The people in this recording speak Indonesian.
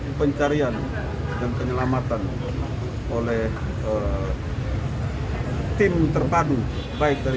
masih hilang dan ditemukan sampai saat ini